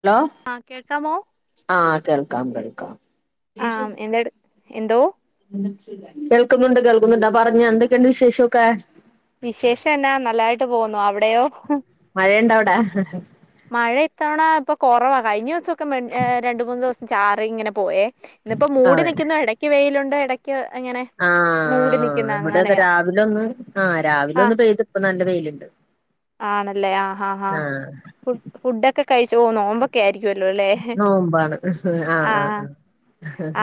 Hello ആഹ് കേൾക്കാമോ ആ കേൾക്കാം കേൾക്കാം ആ എന്തെട് എന്തോ കേൾക്കുന്നുണ്ട് കേൾക്കുന്നുണ്ട് അ പറഞ്ഞോ എന്തൊക്ക്ണ്ട് വിശേഷൊക്കെ വിശേഷം എന്നാ നല്ലായിട്ട് പോകുന്നു അവിടെയോ മഴയ്ണ്ട അവിടെ മഴ ഇത്തവണ ഇപ്പ കൊറവാ കഴിഞ്ഞ ദിവസൊക്കെ രണ്ടു മൂന്ന് ദിവസം ചാറി ഇങ്ങനെ പോയേ ഇന്നിപ്പം മൂടി നിക്കുന്നു എടക്ക് വെയ്ലുണ്ട് എ ആ ആ ഇവടതെ അങ്ങനെയാ രാവിലൊന്ന് ആ ആഹ് രാവിലൊന്ന് പെയ്തിപ്പ നല്ല വെയ് ണ്ട് ആണല്ലേ ആ ആ ആ ഫുഡ് ഫുഡൊക്കെ കഴിച്ചു ഓ നോമ്പൊക്കെ ആയിരി ക്കൊല്ലോ ല്ലേ നോമ്പാണ് ആഹ് ആഹ് ആഹ ആഹ്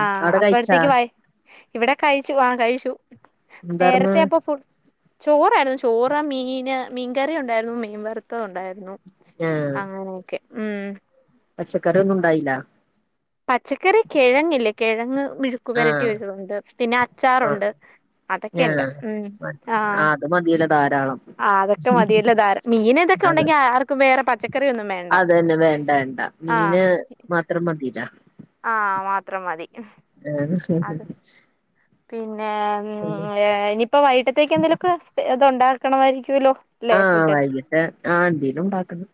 ആഹ അവിടെ കഴിച്ചാ അപ്പഴ്ത്തേക്ക് വയ ഇവിടെ കയിച്ചു ആ കഴിച്ചു എന്താർന്ന് നേരത്തെ അപ്പ ഫുഡ്‌ ചോറായിരുന്നു ചോറ് മീന് മി കറിഉണ്ടായിരുന്നുമീൻവറുത്തെഉണ്ടായിരുന്നു അങ്ങനെയൊക്കെ ഉം പച്ചക്കറിഒന്നും ഉണ്ടായില്ല പച്ചക്കറി കെഴങ്ങില്ലേ കെഴങ്ങ് മെഴുക്കുപെരട്ടി ആഹ് വച്ചതുണ്ട് പിന്നെ ആഹ് അച്ചാറുണ്ട് ആഹ് അതൊക്കെണ്ട് ഉം ആഹ് ആഹ അത് മതിയല്ലോ ധാരാളം മീൻ ഇതൊക്കെ അതെ ഉണ്ടെങ്കി ആർക്കും വേറെ പച്ചക്കറിയൊന്നും വേണ്ട അതന്നെ വേണ്ട ണ്ട മീന് മാത്രം മതിട ആ മാത്രം മതി ഏ അത് പിന്നെ ഇനിയിപ്പോ വൈകിട്ടത്തേക്ക് എന്തേലൊക്കെ ഇതുണ്ടാക്കണമായിരിക്കുല്ലോ ആ വൈകിട്ട് ആ എന്തേലും ഉണ്ടാക്കണം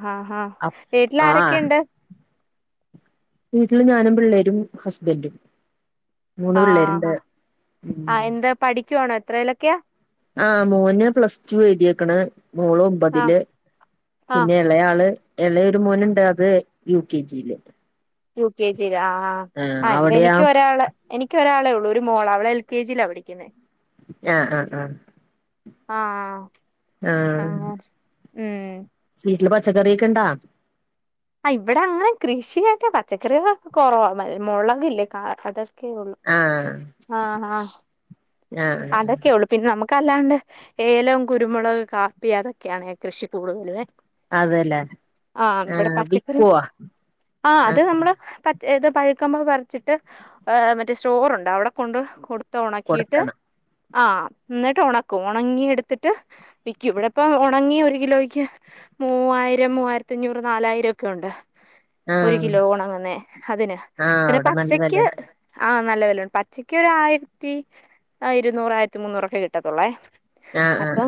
ആഹ് ഹഹ അപ് വീട്ടില ആഹ് ആരൊക്കെയുണ്ട് വീട്ടില് ഞാനും പിള്ളേരും ഹസ്ബൻറും മൂന്ന് പിള്ളേരുണ്ട് ആഹ് ആഹ് എന്താ പഠിക്കുവാണോ എത്രയിലൊക്കെയാ ആ മോന് പ്ലസ് ടു എഴുതിയ ക്കണെ ആഹ് മോളൊമ്പതില് ആഹ് പിന്നെ എ ളയാളെ ഇളെഒരുമോനുണ്ട്അത് യു കെ ജിയില് ടു കെ ജി ആ ആഹ് ആ ഇടെ അവിടെയാ എനിക്ക് ഒരാള എനിക്ക് ഒരാളേ ഉള്ളൂ ഒരുമോള്അവളെഎൽ കെ ജിയിലാപഠിക്കുന്നെ ആഹ ആഹ ആഹ ആഹ... ആ ഉം വീട്ടിൽ പച്ചക്കറിയൊക്കൊണ്ടാ ആ ഇവിടെ അങ്ങനെ കൃഷിയായിട്ട് പച്ചക്കറികളൊക്കെ കുറവ മുളൊക്ക ഇല്ലേ അത ആഹ ആ ആ ആഹ് അതൊക്കെയെ ഒള്ളൂ പിന്നെ നമുക്കെ കല്ലാണ്ട് ഏലവും കുരുമുളക കാപ്പി അതൊക്കെയാണ് കൃഷി കൂടുതലത് അതെല്ലേ ആ ഇവിടെ ആഹ് പച്ചക്കറി വിക്കുവോ ആ അതെ ആഹ് നമ്മളളെ പച് ഏത് പഴുക്കുമ്പോൾ വരിച്ചിട്ട്് മറ്റേ സ്റ്റോറുണ്ട് അവിടെ കൊണ്ട് കൊടുത്ത ഉണക്കിയിട്ട് കൊടുക്കണം ആ എന്നിട്ടൊണക്കും ഒണങ്ങി എടുത്തിട്ട് വിയ്ക്കും ഇവിടിപ്പം ഉണങ്ങി ഒരു കിലോയ്ക്ക് മൂവായിരം മൂവായിരത്തി അഞ്ഞൂറ് നാലായിരം ഒക്കെഒണ് ഒരു ആഹ് കിലോ ഒണങ്ങുന്നേ അതിന് ആഹ് പിന്നെ അവിടെ നല്ല പച്ചക്ക് വെലയുണ്ട് ആഹ് നല്ല വിലയുണ്ട് പച്ചയ്ക്ക് ഒരു ആയിരത്തി ഇരുന്നൂറ ആയിരത്തി മൂുന്നൂറൊക്കെ കിട്ടത്തുള്ളേ ആഹ് ആഹ് ആഹ് അപ്പം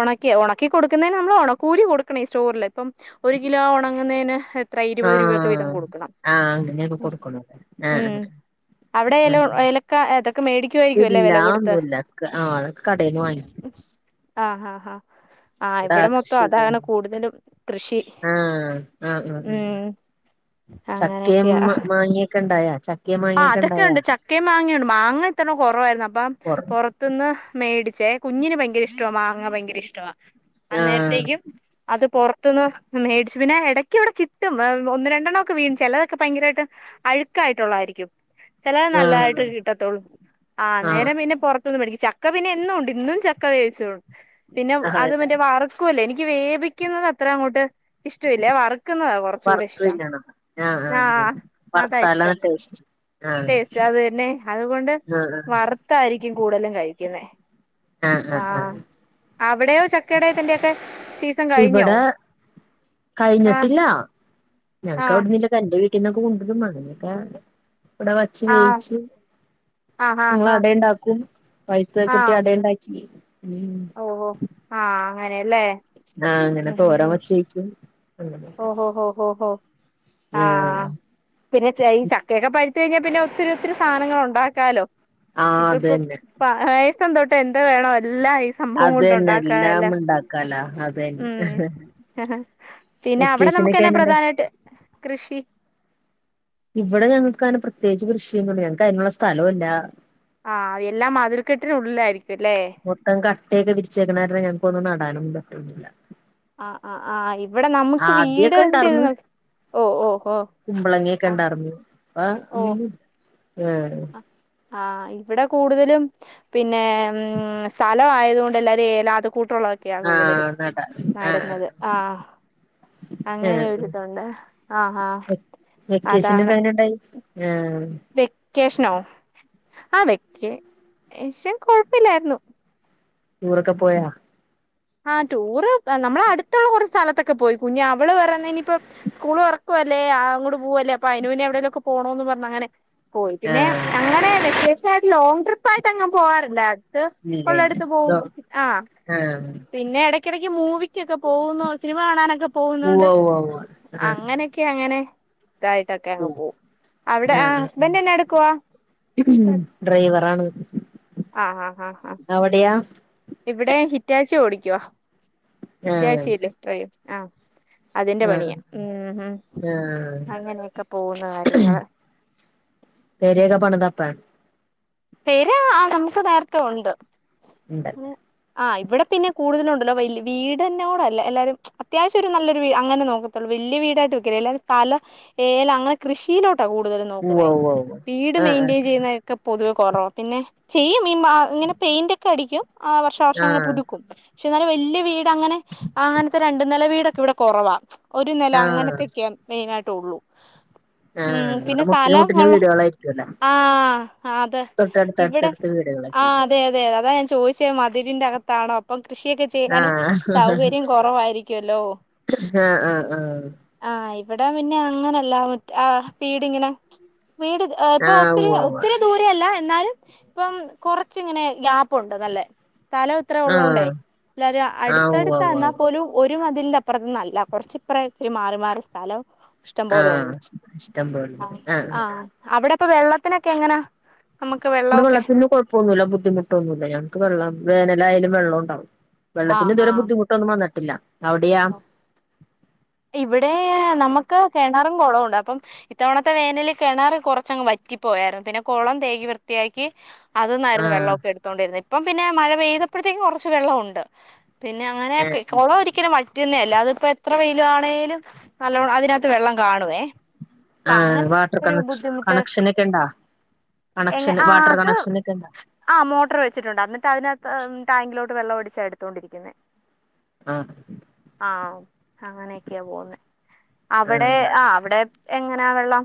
ഒണക്കി ഒണക്കി കൊടുക്കുന്നതിന് നമ്മളെ ഒണക്കൂകൂലി കൊടുക്കണം ഈ സ്റ്റോറിലെ ഇപ്പം ഒരു കിലോ ഉണങ്ങുന്നതിന് എത്ര ഇരുപത് രൂപൊക്കെ വീതം ആഹ് കൊടുക്കണം, ആഹ് അങ്ങനെയൊക്കെ കൊടുക്കണത് ആഹ് മ് അവിടെ ആഹ് ഏലോൺ ഏലക്ക അതൊക്കെ മേടിക്കുമായിരിക്കും ലു ഇതില്ല വെല കൊടുത്തെ അതൊന്നുല്ല ആഹ് അതൊക്കെ കടേന്ന് വാങ്ങിക്കും ആ ആ ആ ആഹ് ഇവിടെ മൊത്തം കൃഷി ആഹ് അതകാണ് കൂടുതലും കൃഷി ആഹ് ആഹ് ആഹ് ഉം അങ്ങനെയൊക്കെയാ ക്കണ്ടായോ ച ആ അതൊക്കെ ഉണ്ട് ചക്കേം മാങ്ങയുണ്ട് മാങ്ങ ഇത്തവണ കൊ റവായിരുന്നു അപ്പം കൊറ പൊറത്തൂന്ന് മേടി ചേ കുഞ്ഞിന് ഭയങ്കര ഇഷ്ടമാ മാങ്ങ ഭയങ്കര ഇഷ്ടമാ ആഹ് അന്നേരത്തേക്കും അത്റ മൊ മേടിച്ചു പിന്നെ ഇടയ്ക്ക് ഇവിടെ കിട്ടും ഒന്ന് രണ്ടെണ്ണം ഒക്കെ വീണും ചിലതൊക്കെ ഭയങ്കരമായിട്ട് അഴു യിട്ടായിരിക്കും ചിലത് ആഹ് നല്ലതായിട്ട് കിട്ടത്തുള്ളൂ ആഹ ആഹ് നേരം പിന്നെ പുറത്തനിന്ന് മേടിക്ക ചക്ക പിന്നെന്നുണ്ട് ഇന്നും ചക്ക വേയിച്ചോണ്ട് പിന്നെ അത് അതെതെ മറ്റേ വറക്കുവല്ലോ എനിക്ക് എനിക്ക് വേപിക്കുന്നത് അത്ര അങ്ങോട്ട് ഇഷ്ടമല്ലേ വറുക്കുന്നതാ കുറച്ച കൂടി വറുത്ത് ഇഷ്ടം തിന്നണം ആഹ് ആഹ ആഹ് അതാ വറുത്താലാണ് ഇഷ്ടം ടേസ്റ്റ് ആഹ് ടേസ്റ്റ് അതന്നെ അതുകൊണ്ട് ആഹ് വറുത്തായിരിക്കും കൂടുതലും കഴിക്കുന്നെ ആഹ് ആ ആഹ് ആഹ് അവിടെയോ ചക്കയട യത്തിന്റെയൊക്കെ സീസൺ കയിഞ്ഞോ കയിഞ്ഞിട്ടില്ല ആഹ് ഞങ്ങക്കവിടുന്നില്ല കന്റ വീട്ടീന്നൊക്കെ [unintelligible] കഴിക്കുന്നൊക്കെ കൊണ്ടും മങ്ങനൊക്ക ഇവിടെ വച്ചെ ആഹ് ജെയിച്ചു ആഹ് ആഹ് ആഹ് നിങ്ങളടയുണ്ടാക്കും പയിത്ത ഒക്കെ കിട്ടിയാ അടുയുണ്ടാക്കി ഓ ഓ ആ അങ്ങനെ അല്ലേ ആ അങ്ങനെ തോരൻ വച്ചേക്കും ഓഹോ ഹോ ഹഓ ഹോ ആഹ് ആഹ പിന്നെ ഈ ചക്കയൊക്കെ പ ട്ടു കഴിഞ്ഞാ പിന്നെ ഒത്തിരി ഒത്തിരി സാധനങ്ങൾ ഉണ്ടാക്കാലോ ആഹ് ഇപ്പ അത് തന്നെ ഇപ്പം ന്തോട്ടെ എന്താ വേണ എല്ലാ ഈ സംഭവം അത് കൊണ്ട തന്നെ എല്ലാം ഉണ്ടാക്കറല്ല ഉണ്ടാക്കാലാ അത് തന്നെ ഉം ഹെഹെ പിന്നെ അവിടെ നമുക്കെ വെക്കേഷനൊക്കെ ന്നാ എങ്ങനെ ഉണ്ടായി? പ്രധാനായിട്ടെ കൃഷി ഇവിടെ ഞങ്ങക്കങ്ങനെ പ്രത്യേകിച്ചെ കൃഷിയൊന്നുമില്ല ഞങ്ങക്കതിനുള്ള സ്ഥലമില്ല ആ എല്ലാം മതിൽ ക്കെട്ടിനു ഉള്ളിലായിരിക്കും മൊത്തം കട്ടയൊക്കെ വിരിച്ചേക്കുന്ന കാരണം ഞങ്ങക്കൊന്നും നടാനും പറ്റുന്നില്ല ആ ആ ആ ഇവിടെ നമുക്കെ വീടെ ഇന്റെ ഇതു നോക്കി ഓ ഓ ഓ കുമ്പളങ്ങൊക്കെ ആഹ് ഒണ്ടാർന്നു ഏ ആ ഇവിടെ കൂടുതലും പിന്നെ സ്ഥലം ആയതു കൊണ്ട് എല്ലാരും ഏലാതും കൂട്ടുള്ളതൊക്കെയാ കൂടുതലും ആഹ് നടാൻ ആഹ് നടുന്നത് ആ ആഹ് അങ്ങനെതുണ്ട് ആ ആ അതാണ് ആ ആ വെക്കേ ഷൻ കൊഴപ്പില്ലായിരുന്നു ടൂറൊക്കെ പോയോ ആ ടൂറ് നമ്മള അടുത്തുള്ള കുറ സ്ഥലത്തൊക്കെ പോയി കുഞ്ഞഞ് അവള് വര ഇനിയിപ്പോ സ്കൂള് വ പ്പ അല്ലേ ആ അങ്ങോട്ടു പോവല്ലേ അപ്പൊ അയിനു മുന്നേ എവിടെ ലുമൊക്കെ പോണെന്നും പറഞ്ഞാ അങ്ങനെ പോയി ആഹ് പിന്നെഅങ്ങനെ വെക്കേഷൻആയിട്ട്ലോങ് ട്രിപ്പായിട്ട് എങ്ങുംപോവാറില്ലയി ഇല്ല ഇല്ല കൊള്ളടുത്ത് ദോ പോവും ആ ആഹ് ക്കടക്ക് മൂ്ക്ക് ഒക്കെ പോകുന്നു സിനിമ കാണാനൊക്കെ ഉവ്വ പോകുന്നുണ്ട് ഉവ്വ അങ്ങനെയൊക്കെ അങ്ങനെ ഇതായിട്ടൊക്കെ അങ്ങെ ഉവ്വ പോവും അവിടെ ആ ഹസ്ബൻഡ്ന്റെ ന്നാ എടുക്കുവാ ഉ ഡ്രൈവറാണെ ആ ആ ആ ആ ഇവിടെ ഹിറ്റാച്ചിഓടിക്കുവ ആഹ് ഹിറ്റാച്ചിഇല്ലേക്രെയിൻ ആഹ് അതിന്റെ ആഹ് പണിയാ ഉ ആഹ് അങ്ങനെയൊക്കെ പോകുന്ന കാര്യങ്ങള് പേരയൊക്കെ പണതാപ്പാ പേരാ ആ നമുക്ക് നേരത്തെ ഒ ണ്ട് ഉണ്ടല്ലേ ആ ഇവിടെ പിന്നെ കൂടുതല ഉണ്ടല്ലോ വല് വീടന്നോട അല്ല എല്ലാരും അത്യാവശ്യം ഒരു നല്ലൊരു അങ്ങനെ നോക്കത്തുള്ളൂ വല്ല്യ വീടായിട്ട് വക്കല അല്ല തല ഏല അങ്ങനെ കൃഷിയിലോട്ട ട്ട കൂടുതലും ഉവ്വ നോക്കുന്നെ ഉവ്വ ഉവ്വ വീട് ആഹ് മെയിന്റെയിൻ ചെയ്യുന്നതൊക്കെ പൊതുവെ കുറവ പിന്നെ ചെയ്യും മാ ഇങ്ങനെ പെയിൻ്റ് ഒക്കെ അടിക്കും ആ വർഷാ വർഷം ഇങ്ങനെ ആഹ് പുതുക്കും പക്ഷേ എന്നാലും വല്യ വീട് അങ്ങനെ അങ്ങനത്തെ രണ്ട നില വീടക്കെ ഇവിടെ കുറവാണ് ഒരു നില ആഹ് ആഹ് അങ്ങനത്തെൊക്കെയ മെയിന ആയിട്ട് ഉ ആഹ് പിന്നെ ഇവിടെ മുട്ടിന് മുട്ടിന് സ്ഥലംള്ള വീടുകളായിരിക്കുവല്ലോ ആ അതെ തൊട്ടടുത്ത് ഇവിടെ അടുത്തടുത്ത് ആ വീടുകളൊക്കെ അതെ അതെ അതെ അതാ ഞാൻ ചോദിച്ചേ മധുരിന്റെ അകത്താണോ അപ്പം കൃഷിയൊക്കെ ചെയ്യാാനും ആഹ് സൗകര്യം കുറവായിരിക്കല്ലോ ആഹ് ആഹ് ആഹ് എവിടാ പിന്നെ അങ്ങനല്ല ആ വീടിങ്ങനെ വീട് ഇപ്പൊ ആഹ് ഒത്തിരി ഉവ്വ ഉവ്വ ഒത്തിരി ദൂരല്ല എന്നാലും ഇപ്പം കൊറച്ച്ങ്ങനെ ഗ്യാപ്പുണ്ട് നല്ലേ തലം ഇത്ര ഉള്ളതോണ്ടേ ആഹ് എല്ലും ആഹ് ഉവ്വ ഉവ്വ അടുത്തടുത്ത്ന്നാൽ ഉവ്വ പോലും ഒരു മ ഇതിന്റെ അപ്പുറത്ത്ന്നല്ല കുറച്ച് ഇപ്പറം ഇച്ചിരി മാറി മാറി സ്ഥലം ഇഷ്ടം ആഹ് പോലണ്ട് ഇഷ്ടം പോലെ ആഹ് ആ അവിടെ ഇപ്പൊ വെള്ളത്തിനൊക്കെ എങ്ങനാ നമുക്ക് ഇമ്മടെ വെള്ളമൊക്കെ വെള്ളത്തി കുഴപ്പമൊന്നുമില്ല ബുദ്ധിമുട്ടൊന്നുമില്ല ഞക്ക് വെള്ളം വേനലായാലും വെള്ളം ഉണ്ടാവും വെള്ളത്തിന് ആഹ് ഇതുവരെ ആഹ് ബുദ്ധിമുട്ടൊന്നും വന്നിട്ടില്ല അവിടെയാ ഇവിടെ നമുക്ക് കിണറും കുളവും ഉണ്ട് അപ്പം ഇത്തവണത്തെ വേനൽ കിണർ കുറച്ചങ്ങ് വറ്റ റ്റി പോയായിരുന്നു പിന്നെ കുളം തേകി വൃത്തിയാക്കി അതന്നായിരുന്നു ആഹ് വെള്ളമൊക്കെ എടുത്തോണ്ടിരുന്നത് ഇപ്പം പിന്നെ മഴ പെയ്തപ്പോഴത്തേക്കും കുറച്ച് വെള്ളം ഉണ്ട് പിന്നെ അങ്ങനെയൊക്കെ ഏഹ് കുളം ഒരിക്കലും വറ്റുന്നേല്ല അതിപ്പ എത്ര വ ആണെങ്കിലും നല്ലോണം അതിനകത്ത് വെള്ളം കാണുവേ അപ്പൊ ആഹ് അങ്ങനെ വാട്ടർ ഒരു കണക്ഷൻ ബുദ്ധിമുട്ട് കണക്ഷനൊക്കെ ഇണ്ടാ എങ്ങ കണക്ഷൻ ആ വാട്ടർ അത് കണക്ഷനൊക്കെ ഇണ്ടാ ആ മോട്ടർ വെച്ചിട്ടുണ്ട് അന്നിട്ട് അതിനാത്ത് ടാങ്കിലോട്ട് വെള്ളം അടിച്ച ച്ച എടുത്തുകൊണ്ടിരിക്കുന്ന ആ ആ അങ്ങനെയൊക്കെയാ പോന്നേ അവിടെ ആഹ് ആ അവിടെ എ അങ്ങനെ ആ വെള്ളം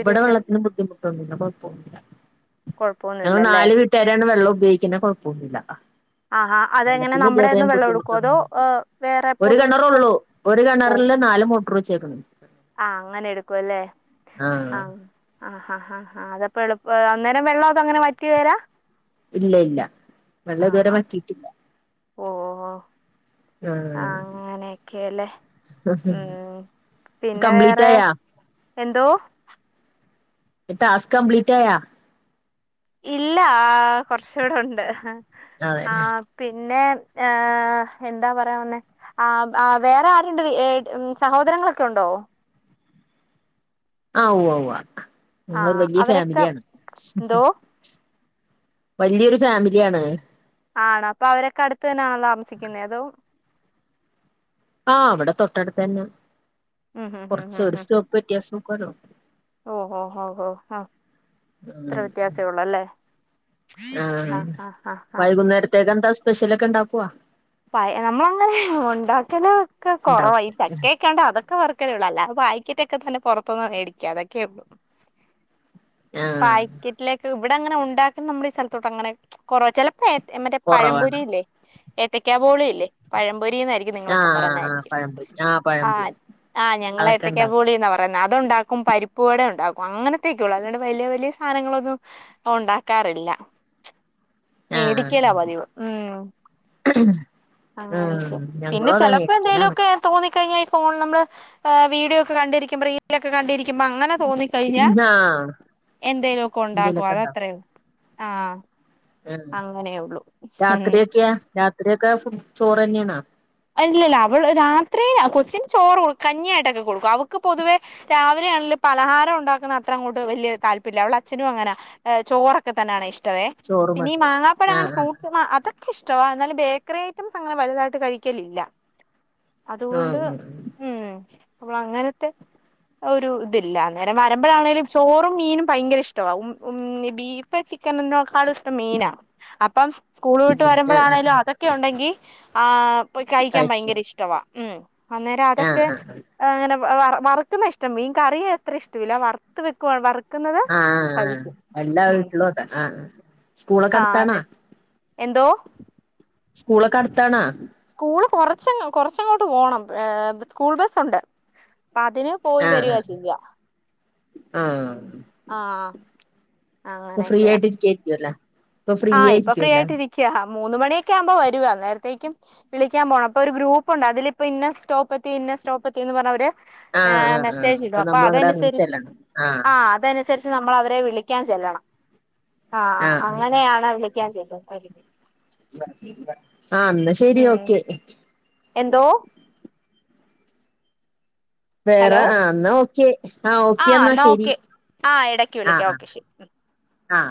ഇവിടെ വെള്ളത്തിന് ബുദ്ധിമുട്ടൊന്നില്ല ഞങ്ങള് കുഴപ്പമൊന്നുമില്ലല്ലേ നാല് വീട്ടരാണ് വെള്ളം ഉപയോഗിക്കുന്നത് കൊഴപ്പൊന്നില്ല ആഹാ അതെങ്ങനെ വെള്ളത്തിന് നമ്മുടെന്ന് ഇതുവരേം വെള്ളം ബുദ്ധിമുട്ട് എടുക്കുവോ അതോ ഏ, വേറെ [inaudible] ഒരു പൊതു പൊതു കിണറുള്ളൂ ഒരു ഓ കിണറി ല്ല നാല് മോട്ടർ വച്ചേക്ക ആ അങ്ങനെ എടുക്കുംല്ലേ ആ ആഹ് ആ ആ ഹാ ഹാ അതപ്പൊ എളുപ്പ അന്നേരം വെള്ളം അത അങ്ങനെ മാറ്റി വരാ ഇല്ല ഇല്ല വെള്ള ആ ഇതുവരെ ഹാ വറ്റിട്ടില്ല ഓ ഓ ഓ ആ ആഹ് അങ്ങനെയൊക്കെല്ലെ ഉം പിന്നെ കംപ്ലീറ്റ് വേറെ ആയാ എന്തോ ട്ടാസ്കൂ കംപ്ലീറ്റയാ ഇല്ല ആ കുറച്ചൂടെ ഉണ്ട് ആ അതേല്ലേ പിന്നെ ഏ എന്താ പറയാവന്നേ ആ വേറെ ആരുണ്ട് സഹോദരങ്ങളൊക്കെ ഉണ്ടോ [unintelligible] ആ ഉവ്വവ്വ ആ ഞങ്ങൾ വലിയ അവരൊക്കെ ഫാമിലിയാണ് എന്തോ വലിയൊരു ഫാമിലിയാണ് ആണോ അപ്പൊ അവരൊക്കെ അടുത്ത് തന്നെയണോ താമസിക്കുന്നത് അതോ ആ അവിടെ തൊട്ടടുത്ത് തന്ന ഉം ഉം ഉം കൊറച്ച് ഉം ഒരു ഉം സ്റ്റോപ്പ് വ്യത്യാസക്കരും ഓ ഓ ഓ ഹോ ആ ഇത്ര ഉം വ്യത്യാസേ ഉള്ളു അല്ലേ ആ ആഹ് ആഹ് ആഹ് ആഹ് വൈകുന്നേരത്തേക്കെ എന്താ സ്പെഷ്യലൊക്കെ ഉണ്ടാക്കുവ പ നമ്മള അങ്ങനെ ഉണ്ടാക്കല ഒക്കെ കുറവ ഈ ഉണ്ടാക്കും ചക്കൊക്കൊണ്ട് അതൊക്കെ വ ള്ളല്ല അ വായിക്കിട്ടൊക്കെ തന്നെ പുറത്തൊന്ന് മേടിക്ക അതൊക്കെ ഉള്ളു ആ പായ്റ്റിലേക്കെ ഇവിടെ അങ്ങനെ ഉണ്ടാക്കുന്ന നമ്മുടെ ഈ സ്ഥലത്തോട്ട് അങ്ങനെ കൊറ ചിലപ്പോ മറ്റേ പഴമ്പൊരി കുറവാണ് ഇല്ലേ ഏത്തക്കാബോളി ഇല്ലേ പഴ പരീന്നാരിക്കും ആ നിങ്ങളൊക്കെ ആ പറന്നാരിക്കും പഴംപൊരി ആ പഴംപൊരി ആ ഞങ്ങളെ അതൊക്കെ ഏത്തക്കാ ഉണ്ടാക്കും ബോളീന്നാ പറയ്ന്നെ അ അത്ണ്ടാക്കും പരിപ്പ് വട ഉണ്ടാക്കും അങ്ങനത്തൊക്കെ ഉള്ളൂ അല്ലാണ്ട് വലിയ വലിയ സാധനങ്ങളൊന്നും ഉണ്ടാക്കാറില്ല ആ ആ മെഡിക്കാല പതിവ് ഉം അങ്ങനെയൊക്കെ പിന്നെ ഞങ്ങളും അതാ ചെലപ്പോ എന്തേലു മേടിക്കലാണ് ഒക്കെ തോന്നിക്കഴിഞ്ഞാൽ ഫോണിൽ നമ്മള് വീഡിയോ ഒക്കെ കണ്ടിരിക്ക്പം റീല ഒക്കെ കണ്ടിരിക്കുമ്പ അങ്ങനെ തോന്നിക്കഴിഞ്ഞാൽ ആ എന്തേലു ഒക്കെ ഉണ്ടാക്കോ എന്തേലൊക്കെ അത അത്രല്ല ആ ഉം രാത്രിയൊക്കെയാ രാത്രിയൊക്കെ ചോറ് തന്നെയണാ അല്ലല്ല അവള് രാത്രി കൊച്ചിന് ചോറ് കൊ കഞ്ഞായിട്ടൊക്കെ കൊടുക്കും അവക്ക് പൊതുവെ രാവിലെയാണെ പലഹാരം ഉണ്ടാക്കുന്ന അത്ര അങ്ങോട്ട് വലിയ താൽപ്പര്യംല്ല അവള അച്ഛനും അങ്ങനെ ചോറോക്കെ തന്നെയാണ് ഇഷ്ടം ചോറ് [unintelligible] പിന്നെ ഈ മതി മാങ്ങാപ്പഴം ആ അങ്ങനെ ആ ഫ്രൂട്ട്സ് അത് ഇഷ്ട എന്നാലും ബേക്കറി ഐറ്റംസ് അങ്ങനെ വലുതായിട്ട് കഴിക്കലില്ല അതുകൊണ്ട് ഉം ഉം ഉം നമ്മളെങ്ങനത്തെ ഒരു ഇതില്ല നേരം വരമ്പഴാ ആണെങ്കലും ചോറും മീനും ഭയങ്കര ഇഷ്ടമാണ് ഉം ഉം ബീഫ് ചിക്കന് [unintelligible] മീനാ അപ്പം സ്കൂൾ വിട്ട് ഉം ആഹ് ആഹ് വരുമ്പോഴാണേലും അതൊക്കെ ഉണ്ടെങ്കി ആ കഴിക്കാൻ കഴിച്ചു ഭയങ്കര ഇഷ്ടവാ മ് അന്നേരം ആഹ് അതൊക്കെ ആഹ് അങ്ങനെ വറ് വറുക്കുന്ന ഇഷ്ടം മീൻ കറിയത്ര ഇഷ്ടില്ല വറുത്ത് വെക്ക വറ് ആ എല്ലാ വീട്ടിലും അത ആ സ്കൂളൊക്കെ ആ അടുത്താണാ? അതെ എന്തോ സ്കൂളൊക്കെ അടുത്താണാ ച്ച കൊറച്ചങ്ങോട്ട് പോണം സ്കൂൾ ബസ്സ ഉണ്ട് അപ്പ അതിന് പോയി വരിക ആഹ് ആഹ് ചെയ്യാ ആഹ് ആ ഫ്രീ അങ്ങനെയൊക്കെയാ ആയിട്ട് ഇരിക്കുവായിരിക്കുവല്ലെ ആഹ് ഇപ്പൊ ഫ്രീ ആയിട്ട് ഇരിക്യാ മൂന്ന് മണിയൊക്കെ ആമ്പോ വരുവ അന്നേരത്തേക്കും വിളിക്കാൻ പോണം അപ്പോ ഒരു ഗ്രൂപ്പ്ണ്ട് അതിലിപ്പോ ഇന്ന സ്റ്റോപ്പെത്തി പിന്നെ സ്റ്റോപ്പ് എത്തീന്നും പറഞ്ഞു അവര് ആ ആഹ് ആഹ് ആഹ് അപ്പൊ മെസ്സേജിടും അപ്പ നമ്മള് അങ്ങട് എറങ്ങി അതനുസരിച്ച് ചെല്ലണം ആഹ് അ അതനു [unintelligible] നമ്മ അവരെ വിളിക്കാൻ ചെല്ലണം ആ ആഹ് അങ്ങനെയ [unintelligible] ആഹ് അന്നാ ശെരി ഉം ഓക്കെ. എന്തോ വേറെ ഹലോ ആ എന്നാ ഓക്കെ. ആ ആഹ് ഓക്കെന്നാ എന്നാ ശരി ഓക്കെ ആഹ് ഇടക്ക് ആ വിളിക്കാം ഓക്കെ ശരി ആ ആ